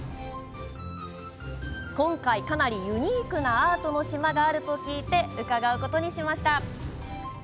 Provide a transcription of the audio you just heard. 今回、かなりユニークなアートの島があると聞いて伺うことにしました。